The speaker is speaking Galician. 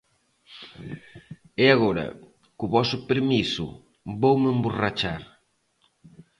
E agora, co voso permiso, voume emborrachar.